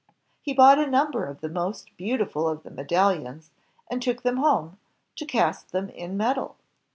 He bought a number of the ■ most beautiful of the me dallions and took them home, to cast them in metal.